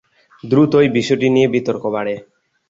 দ্রুতই বিষয়টি নিয়ে বিতর্ক বাড়ে।